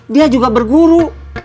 dia juga berguru